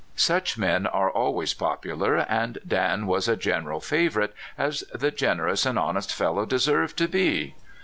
Such men are always popular, and Dan was a general favorite, as the generous and honest fel low deserved to be.